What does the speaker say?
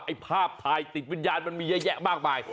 ภาพถ่ายติดวิญญาณมันมีเยอะแยะมากมาย